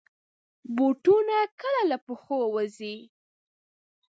بوټونه کله له پښو وځي.